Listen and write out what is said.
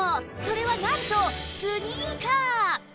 それはなんとスニーカー！